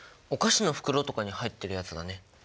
お菓子の袋とかに入ってるやつだね。